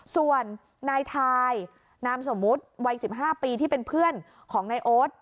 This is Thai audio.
ส่วนนายทายนามสมมุติวัย๑๕ปีที่เป็นเพื่อนของนายโอ๊ต